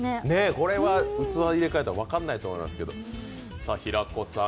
これは器、入れ替えたら分からないと思いますけど。